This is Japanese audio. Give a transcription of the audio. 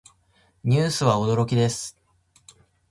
ニュースは驚きです。